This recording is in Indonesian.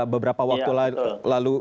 beberapa waktu lalu